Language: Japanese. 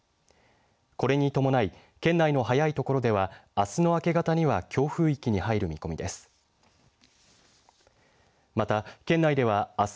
これに伴い、県内の早い所ではあすの明け方には強風域に入る見込みです。